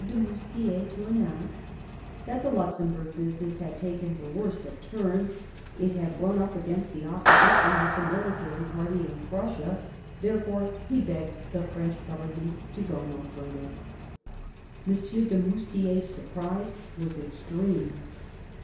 de Moustier to announce that the Luxemburg business had taken the worst of turns : it had run up against the opposition of the military party in Prussia ; therefore he begged the French Government to go no further. M. de Moustier 's surprise was extreme.